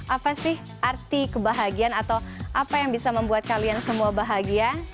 apa sih arti kebahagiaan atau apa yang bisa membuat kalian semua bahagia